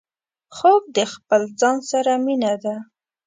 خوب د خپل ځان سره مينه ده